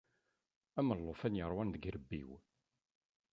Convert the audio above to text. Am llufan yeṛwan deg yirebbi-w.